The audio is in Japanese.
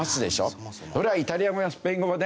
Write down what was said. イタリア語やスペイン語もね